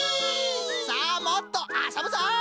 さあもっとあそぶぞい！